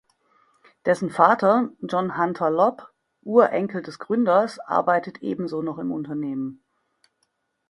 Dessen Vater, John Hunter Lobb, Ur-Enkel des Gründers arbeitet ebenso noch im Unternehmen.